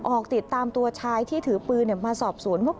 ออกติดตามตัวชายที่ถือปืนมาสอบสวนว่า